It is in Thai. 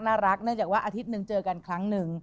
เนื่องจากว่าอาทิตย์หนึ่งเจอกันครั้งหนึ่ง